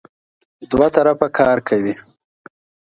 دوه طرفه کار کوي.